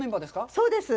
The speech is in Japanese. そうです。